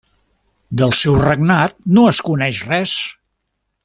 Del seu regnat no es coneix res.